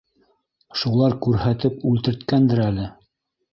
Шулар күрһәтеп үлтерткәндер әле.